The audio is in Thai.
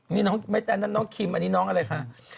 นี่ไม่ใช่น้องคิมอันนี้น้องอะไรคะ